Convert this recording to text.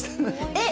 えっ！？